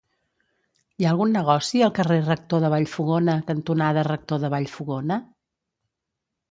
Hi ha algun negoci al carrer Rector de Vallfogona cantonada Rector de Vallfogona?